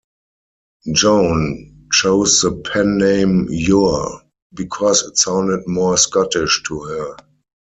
Joan chose the pen-name "Ure", because it sounded more Scottish to her.